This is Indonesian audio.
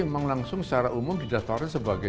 memang langsung secara umum didatori sebagai